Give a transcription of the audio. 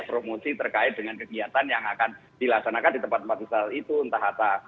promosi terkait dengan kegiatan yang akan dilaksanakan di tempat tempat usaha itu entah hatta